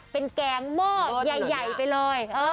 เป็นแกงหม้อใหญ่ไปเลย